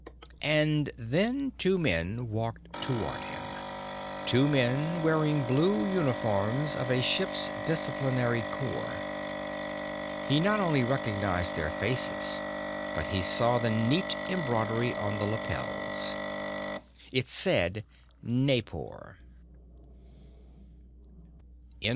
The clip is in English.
_ And then two men walked toward him two men wearing blue uniforms of a ship's Disciplinary Corps. He not only recognized their faces, but he saw the neat embroidery on the lapels. It said: Naipor.